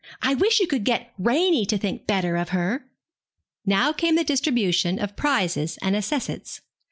I wish you could get Ranie to think better of her.' Now came the distribution of prizes and accessits.